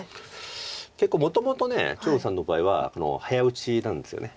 結構もともと張栩さんの場合は早打ちなんですよね